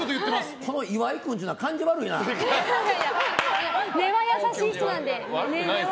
この岩井君っていうのは根は優しい人なんで。